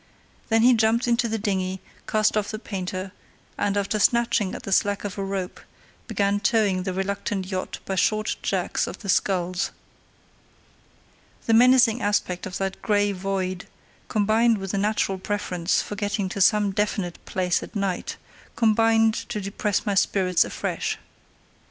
Then he jumped into the dinghy, cast off the painter, and, after snatching at the slack of a rope, began towing the reluctant yacht by short jerks of the sculls. The menacing aspect of that grey void, combined with a natural preference for getting to some definite place at night, combined to depress my spirits afresh.